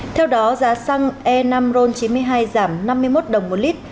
theo đó giá xăng e năm ron chín mươi hai giảm năm mươi một đồng một lít